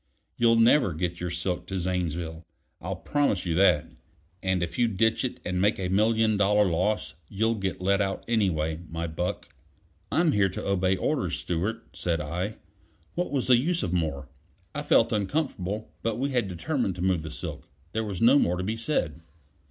You'll never get your silk to Zanesville, I'll promise you that. And if you ditch it and make a million dollar loss, you'll get let out anyway, my buck." "I'm here to obey orders, Stewart," said I. What was the use of more? I felt uncomfortable; but we had determined to move the silk; there was no more to be said.